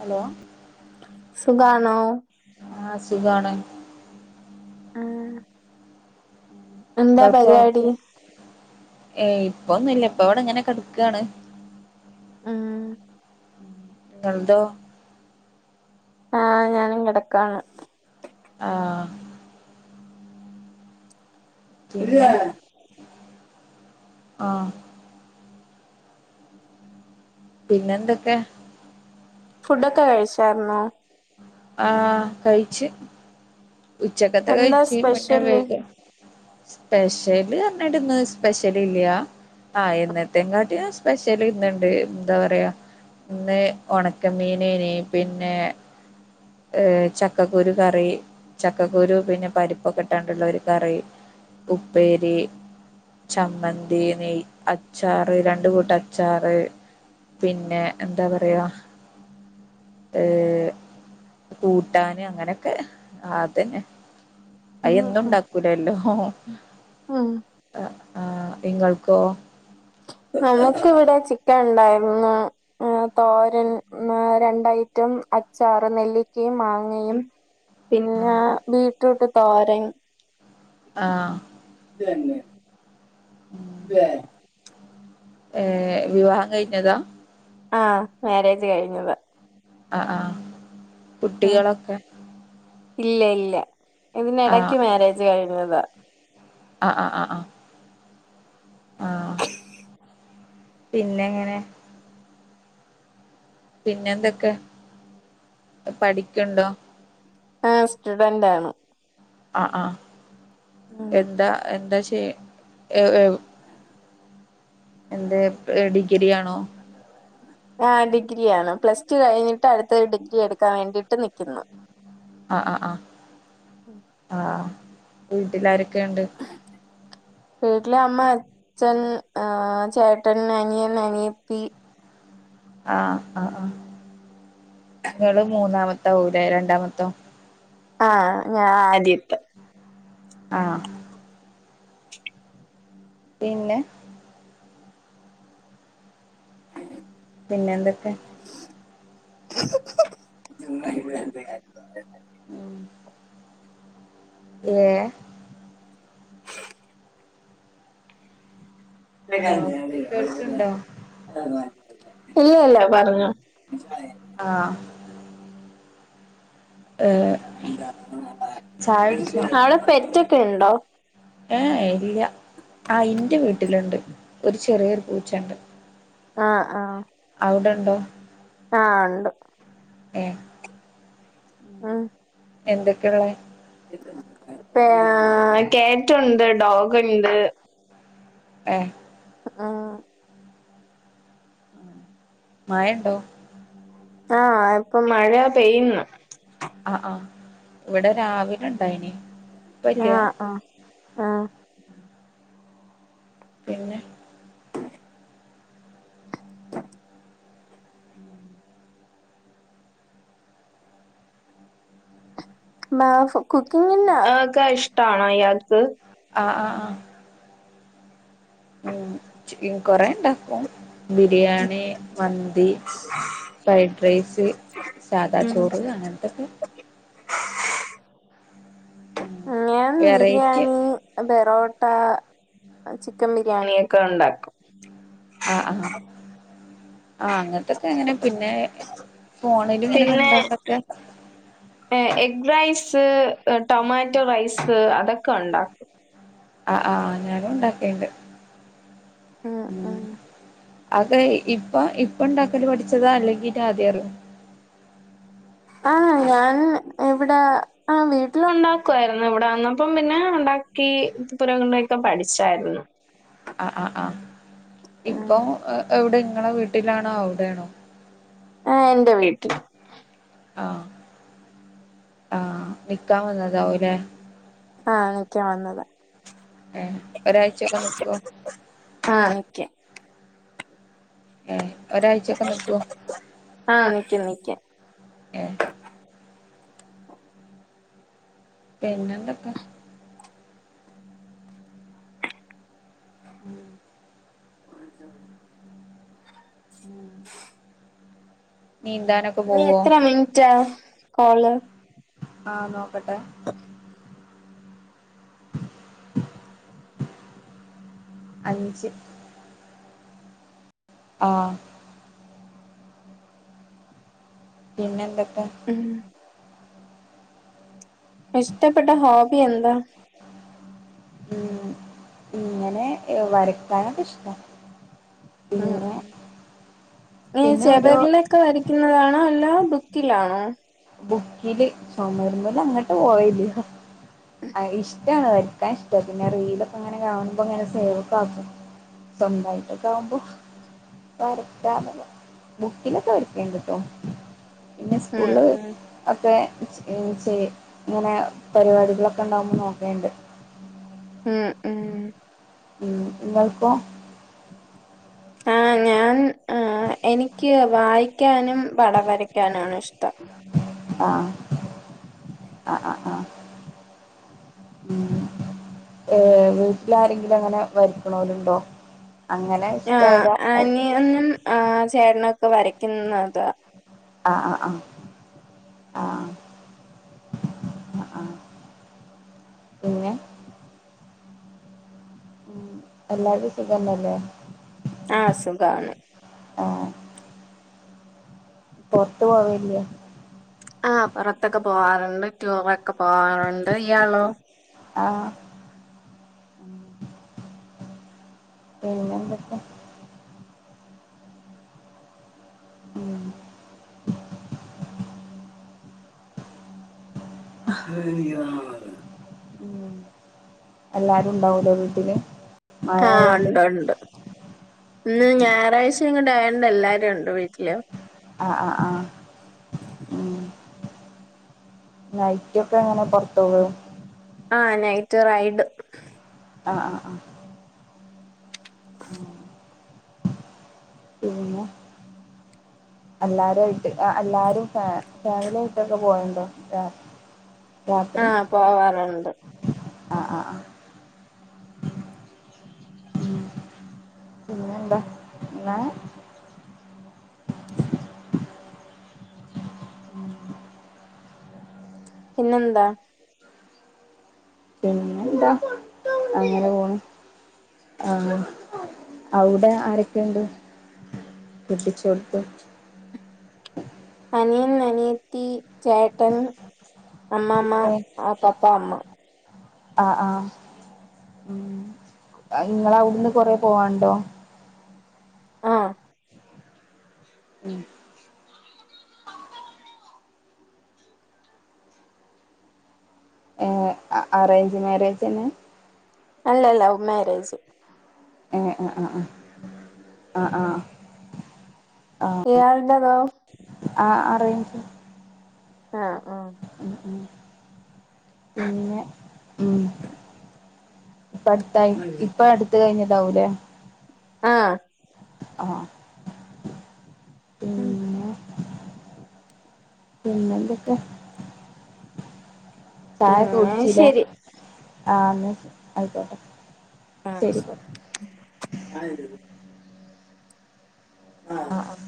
Hello സുഖണോ. ആഹ് സുഖാണ്. എന്താ എന്താക്ക, പരിപാടി ഏയ് ഇപ്പൊന്നുംല്ല, ഇപ്പ, ഇവടെങ്ങനെ, കെടക്കാണ് ആ ങ്ങൾതോ [unintelligible] ആഹ, ഞാനും, കിടക്കാണ്. ആഹ്. പിന്നെ [unintelligible] ആഹ്. പിന്നെ, എന്തൊക്കെ ഫുഡൊക്കെ, കഴിച്ചായിരുന്നോ. ആഹ, കഴിച്ച് ഉച്ചക്കത്തെ, എന്താ കഴച്ച്, പിന്നെ, സ്പെഷ്യല് വേഗ സ്പെഷ്യല്, റഞ്ഞിട്ട്, ഇന്ന്, സ്പെഷ്യല് ഇല്ല്യ ആഹ്, എന്നത്തേമ്, കാട്ടി ഞാ, സ്പെഷ്യല്, ഇന്നണ്ട്, എന്താ, പറയാ ഇന്ന്, ഉണക്കമീനനി, പിന്നെ ഏ, ചക്കക്കുരു, കറി ചക്കക്കുരു, പിന്നെ, പരിപ്പൊക്കെട്ടാണ്ടുള്ള, ഒരു കറി, ഉപ്പേരി ചമ്മന്തി, നെയ്, അച്ചാറ്, രണ്ട് കൂട്ടച്ചാറ് പിന്നെ, എന്താ, പറയാ ഏ, കൂട്ടാന്, അങ്ങനെക്കെ, ആ തന്നെ, ഉം അയൊന്നും, ഉം ണ്ടാക്കൂലല്ലോ, ഉം ആ ആ, ഇങ്ങൾക്കോ ഞമുക്കിവിടെ, ചിക്കൻ ഉണ്ടായിരുന്നു, തോരൻ, മ്, രണ്ടഐറ്റം, അ അച്ചാറ്, നെല്ലിക്കേം, മാങ്ങയും പിന്നാ, ബീട്രൂട്ട്, തോരൻ ആഹ്. ഏ, വിവാഹം, കയ്ഞ്ഞതാ. ആഹ, മാരേജ്, കഴിഞ്ഞത. ആഹ്, ആഹ, കുട്ടികളൊക്കെ. ഇല്ല, ഇല്ല, ഇതിനി ഇടയ്ക്ക്, മാരേജ് കഴിഞ്ഞതാ. ആഹ, ആ, ആ, ആ. പിന്നെങ്ങനെ പിന്നെന്തൊക്കെ, പഠിക്കുണ്ടോ ആഹ, സ്റ്റുഡന്റാണ്. ആ, ആ, എന്താ, എന്താ, ചെയ്യ, എ, എവി എന്തെ [unintelligible] അതെ ആ ഡിഗ്രിയാണ് പ്ലസ് ടു കഴിഞ്ഞിട്ട് അടുത്തരു ഡിഗ്രി എടുക്കാൻ വേണ്ടിട്ട് നിൽിക്കുന്നു ആ ആ് ആ ആ വീട്ടിലാരക്ക ക്കണ്ട് വീട്ടിലെ അമ്മ അച്ഛൻ ആർ ചേട്ടൻ അനിയൻ അനിയത്തി ആഹ ആ് ആ നിങ്ങള്ങ്ങള് മൂന്നാമത് ാവലേ രണ്ടാമത്ത ആഹ ഞാ ആദ്യത്തെ ആ പിന്നെ പിന്നെ എന്തൊക്കെ ജ വ ഉ ഏ ഹലോ കേൾക്ക്ണ്ടോ? ഇല്ല ഇല്ല പറഞ്ഞു ആഹ ഏ ചായ കുടിച്ചോ അവിടെ പെറ്റൊക്കെ ഉണ്ടോ ഏ ഇല്ല ആ ഇറെ വീട്ടിലുണ്ട് ഒരു ചെറിയൊരു പൂച്ചുണ്ട് ആഹ് ആഹ അവിടെണ്ടോ ആഹ ഉണ്ട് ഏ ആഹ എന്തൊക്കെയുള്ള പേ കാറ്റുണ്ട്, ഡോഗുണ്ട് എ ആഹ മഴയുണ്ടോ ആഹ ഇപ്പൊ മഴ പെയ്യുന്നു ആഹ ആഹ ഇവിടെ രാവിലെ ഇണ്ടായിനി ഇപ്പല്ല ആഹ ആഹ ആഹ പിന്നെ മാ കുക്കിങ്ങി ഒക്കെ ഇഷ്ടണോ അയാൾക്ക് ആഹ ഉം ച കൊറെേ ഉണ്ടാക്കും ബിരിയാണി, മന്തി, ഫ്രൈഡ് റൈസ്, സാദാ ഉം ചോറ് അങ്ങനത്തെൊക്കെ ഉം ഞാൻ ബിരിയാണി ബെറോട്ട ചിക്കൻ ബിരിയാണിയ ഒക്കെ ഉണ്ടാക്കും ആഹ് ആഹ ആഹ അങ്ങനത്തൊക്കെ എങ്ങനെ പിന്നെ ഫോണില് ഇങ്ങനെ പിന്നെ കണ്ടാണ്ടൊക്കെ എഗ് റൈസ് ടൊമാറ്റോ റൈസ്, അതൊക്കെ ഉണ്ടാക്കും ആ ആഹ ഞാനും ഉണ്ടാക്കിണ്ട് ഉം ഉ ഉം അതെ ഇപ്പൊ ഇപ്പൊ ഉണ്ടാക്കല് പഠിച്ചതാ അല്ലെങ്കിആദ്യറ ആഹ ഞാൻ ഇവിടെ ആ വീട്ടിൽ ഉണ്ടാക്കു ആയിരുന്നു ഇവിടെ വന്നപ്പം പിന്നെ ഉണ്ടാക്കി പുരണ്ടക്ക പഠിച്ചായിരുന്നു ആ ആ ആ ഇപ്പൊ എവിടെ നിങ്ങളെ വീട്ടിലാണോ അവിടെയാണോ ആ എന്റെ വീട്ടിൽ. ആഹ് ആഹ് നിക്കാൻ വന്നതാവൂല്ലേ? ആഹ് നിക്കാൻ വന്നതാ. മ് ഒരാഴ്ച ഒക്കെ നിക്കുവോ? ആഹ് നിക്കാം ഏഹ് ഒരാഴ്ചൊക്കെ നിക്കുവോ ആഹ് നിക്കും നിക്കും. ഏഹ് പിന്നെന്തൊക്കെ? [unintelligible] മ് ഇനി എത്ര മിനിറ്റാ കോള്? ആഹ് നോക്കട്ടെ. അഞ്ച് ആഹ് പിന്നെന്തൊക് മ് ഇഷ്ടപ്പെട്ട ഹോബി എന്താ? മ് ഇങ്ങനെ ഏഹ് വരക്കാനൊക്കെ ഇഷ്ട. മ് മ് ഈ പിന്നെ ഒരു ചോവരിലൊക്കെ വരക്കുന്നതാണോ? അല്ല ബുക്കിലാണോ? ബുക്കില് ചൊമരിലൊന്നും അങ്ങനത്തെ [unintelligible] ആ ഇഷ്ടാണ് വരക്കാൻ ഇഷ്ട പിന്നെ റീലൊക്കെ അങ്ങനെ കാണുമ്പോ അങ്ങനെ സേവൊക്കെ ആക്കും. സ്വന്തായിട്ടൊക്കെ ആവുമ്പോ. വരക്കാനൊക്കെ ബുക്കിലൊക്കെ വരക്ക്ണ്ട്ട്ടോ. പിന്നെ ഉം സ്കൂള്ല് ഉം ഒക്കെ [unintelligible] ഇങ്ങനെ പരിപാടികളൊ ക്കെ ഇണ്ടാവുമ്പ നോക്കേണ്ട്. മ് മ് മ് നിങ്ങക്കോ? ആഹ് ഞാൻ ആഹ് എനിക്ക് വായിക്കാനും പടം വരയ്ക്കാനും ആണ് ഇഷ്ടം. ആഹ് അ ആഹ് ആഹ് മ് ഏഹ് വീട്ടിലാരെങ്കിലും അങ്ങനെ വരക്കണോലുണ്ടോ? അങ്ങനെ ആഹ് ഇഷ്ടായതാ അനിയനും ആഹ് ചേട്ടനൊക്കെ വരക്കുന്നതാ. ആഹ് ആഹ് ആഹ് ആഹ് ആഹ് ആഹ് പിന്നെ മ് എല്ലാരും സുഖന്നല്ലേ? ആ സുഖാണ്. പൊറത്തു പോവലില്ലേ. ആഹ് പൊറത്തൊക്കെ പോവാറുണ്ട്, ടൂറൊക്കെ പോവാറുണ്ട്, ഇയാളോ? ആഹ് മ് പിന്നെന്തൊക്കെയാ? മ് അതെനിക്ക് [unintelligible] മ് എല്ലാരും ഉണ്ടാവുല്ലോ വീട്ടില്? മഴ ആഹ് ആയോണ്ട് ഒണ്ട് ഒണ്ട് ഇന്ന് ഞായറാഴ്ച കൊണ്ട് ആയ കൊണ്ട് എല്ലാരും ഉണ്ട് വീട്ടില്. ആഹ് ആഹ് ആഹ് ഉം നൈറ്റൊക്കെ എങ്ങനെ പൊറത്ത് പോവോ? ആഹ് നൈറ്റ് റൈഡ് ആഹ് ആഹ് ആഹ് മ് പിന്നെ എല്ലാരുംയിട്ട് ആ എല്ലാരും ഫ ഫാമിലിയയിട്ടൊക്കെ പോയണ്ടോ ആഹ് പോവാറുണ്ട് ആ ആ ആ പിന്നെ എന്താ എന്നാ പിന്നെന്താ പിന്നെന്താ അങ്ങനെ പോണ് ആഹ അവിടെ ആരൊക്കെയുണ്ട് കെട്ടിച്ചോട്ത്ത് അനിയൻ, അനിയത്തി, ചേട്ടൻ അമ്മമ്മ, ആ പപ്പാ, അമ്മ ആഹ ആഹ ഉ നിങ്ങ അവിടുന്ന് കൊറ പോവാണ്ടോ ആഹ ഉം ഏ അറേഞ്ച് മാരേജ്ന്നെ അല്ലല്ല മ്യാരേജ് ഹ ആഹ ആ ആ ആഹ ആഹ യാളന്താതാവ ആ അറ ഇഞ്ച് ആഹ ആഹ പിന്നെ ഉ ഇപ്പ അടുത്ത ഇപ്പ അടുത്ത കഴിഞ്ഞതാവൂലേ ആഹ ആഹ മ് പിന്നെന്തെക്കെയാ? ചായൊക്കെ പിന്നെ കുടിച്ചില്ലേ, ശരി ആഹ് [unintelligible] ആയിക്കോട്ടെ. ആഹ് ശരി ശെരി. ആ ആഹ്